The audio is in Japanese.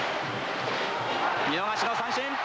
見逃しの三振！